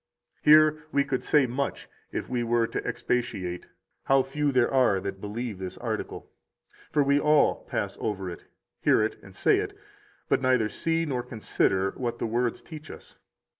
20 Here we could say much if we were to expatiate, how few there are that believe this article. For we all pass over it, hear it and say it, but neither see nor consider what the words teach us.